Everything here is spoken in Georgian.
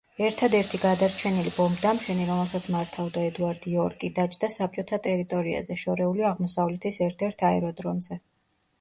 ერთადერთი გადარჩენილი ბომბდამშენი, რომელსაც მართავდა ედუარდ იორკი დაჯდა საბჭოთა ტერიტორიაზე, შორეული აღმოსავლეთის ერთ-ერთ აეროდრომზე.